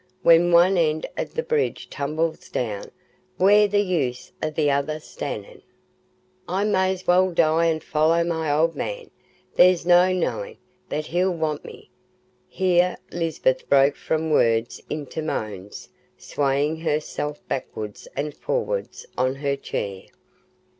When one end o' th' bridge tumbles down, where's th' use o' th' other stannin'? I may's well die, an' foller my old man. There's no knowin' but he'll want me." Here Lisbeth broke from words into moans, swaying herself backwards and forwards on her chair.